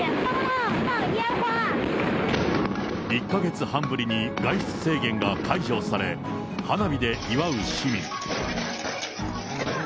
１か月半ぶりに外出制限が解除され、花火で祝う市民。